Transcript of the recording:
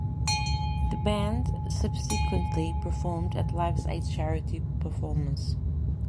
The band subsequently performed at Live Aid's charity performance.